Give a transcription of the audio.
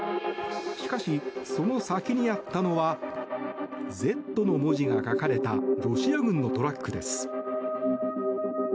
しかし、その先にあったのは「Ｚ」の文字が書かれたロシア軍のトラックです。